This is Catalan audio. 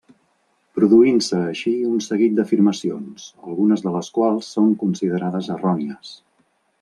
Produint-se així un seguit d'afirmacions, algunes de les quals són considerades errònies.